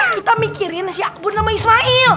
kita mikirin si akbun sama ismail